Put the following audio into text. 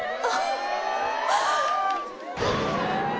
ああ。